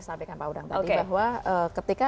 disampaikan pak udang tadi oke bahwa ketika